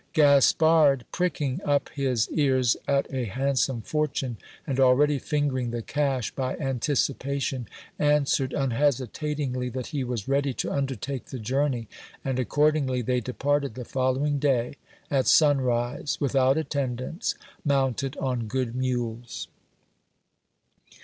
Gaspard, pricking up his ears at a handsome fortune, and already fingering the cash by anticipation, an swered unhesitatingly that he was ready to undertake the journey ; and accord ingly they departed the following day at sun rise, without attendants, mounted on good mules.